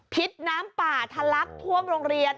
พิษน้ำป่าทะลักท่วมโรงเรียน